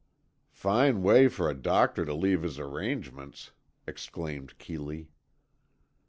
"Fine way for a doctor to leave his arrangements," exclaimed Keeley.